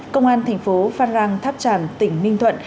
công an tp phan rang tháp tràm tỉnh ninh thuận